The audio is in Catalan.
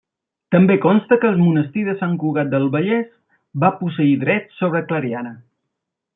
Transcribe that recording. També consta que el monestir de Sant Cugat del Vallès va posseir drets sobre Clariana.